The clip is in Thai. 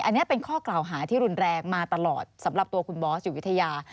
อันนี้เป็นข้อกล่าวหาที่รุนแรงมาตลอดสำหรับตัวคุณบอสอยู่วิทยา